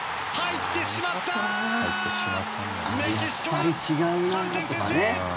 やっぱり違うなとかね